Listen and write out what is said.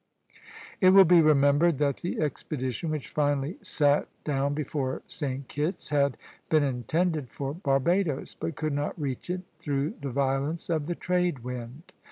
It will be remembered that the expedition which finally sat down before St. Kitt's had been intended for Barbadoes, but could not reach it through the violence of the trade wind.